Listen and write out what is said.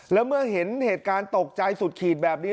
แล้วเมื่อเห็นเหตุการณ์ตกใจสุดขีดแบบนี้